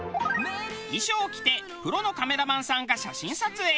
衣装を着てプロのカメラマンさんが写真撮影。